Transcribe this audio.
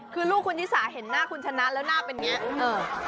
คือลูกคุณนิสาเป็นหน้าคุณชนะและเป็นแบบนี้